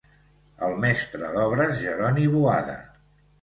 El mestre d'obres Jeroni Boada.